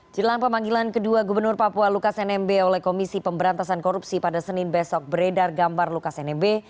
jelang pemanggilan kedua gubernur papua lukas nmb oleh komisi pemberantasan korupsi pada senin besok beredar gambar lukas nmb